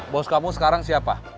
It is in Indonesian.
bos kamu sekarang siapa